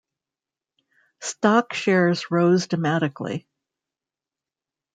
Stock shares rose dramatically.